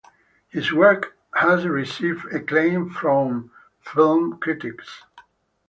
His work has received acclaim from film critics.